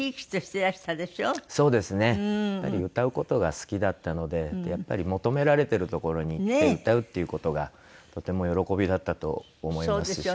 やっぱり歌う事が好きだったのでやっぱり求められてる所に行って歌うっていう事がとても喜びだったと思いますし。